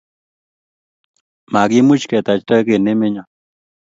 Makimuch ketach toek eng' emenyo